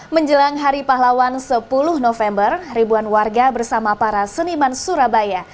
menjelang hari pahlawan sepuluh november ribuan warga bersama para seniman surabaya